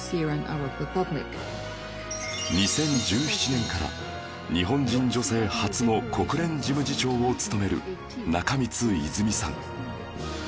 ２０１７年から日本人女性初の国連事務次長を務める中満泉さん